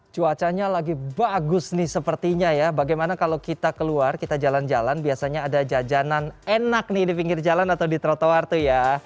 cuacanya lagi bagus nih sepertinya ya bagaimana kalau kita keluar kita jalan jalan biasanya ada jajanan enak nih di pinggir jalan atau di trotoar tuh ya